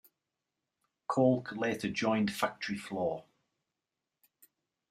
Colk later joined Factory Floor.